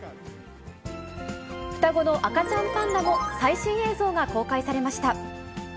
双子の赤ちゃんパンダの最新映像が公開されました。